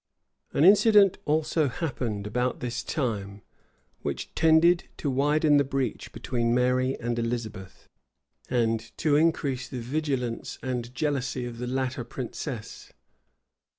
An incident also happened about this time, which tended to widen the breach between Mary and Elizabeth, and to increase the vigilance and jealousy of the latter princess.